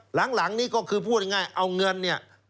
หลังนี้ก็คือพูดง่ายเอาเงินเนี่ย